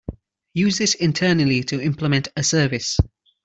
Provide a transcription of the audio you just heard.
Use this internally to implement a service.